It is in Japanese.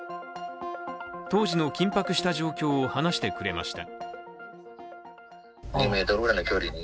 当時の緊迫した状況を話してくれました。